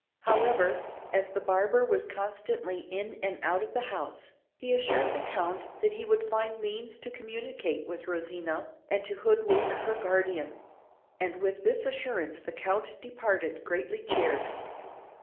However, as the barber was constantly in and out of the house, he assured the Count that he would find means to communicate with Rosina, and to hood wink her guardian; and with this assurance the Count departed, greatly cheered.